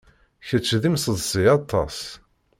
Kečč d imseḍsi aṭas.